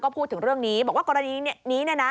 ก็พูดถึงเรื่องนี้บอกว่ากรณีนี้